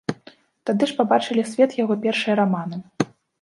Тады ж пабачылі свет яго першыя раманы.